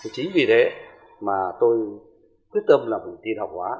chính vì thế mà tôi quyết tâm làm một tin học hóa